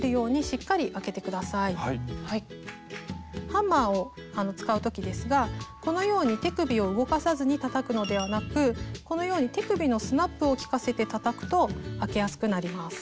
ハンマーを使う時ですがこのように手首を動かさずにたたくのではなくこのように手首のスナップをきかせてたたくとあけやすくなります。